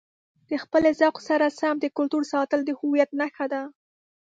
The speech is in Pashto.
د خپلې ذوق سره سم د کلتور ساتل د هویت نښه ده.